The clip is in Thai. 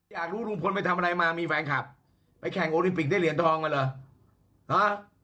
อยากรู้ลุงพลไปทำอะไรมามีแฟนคลับไปแข่งโอลิมปิกได้เหรียญทองกันเหรอฮะ